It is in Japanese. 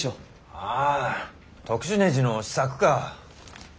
ああ特殊ねじの試作か。